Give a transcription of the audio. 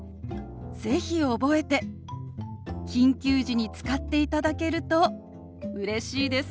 是非覚えて緊急時に使っていただけるとうれしいです。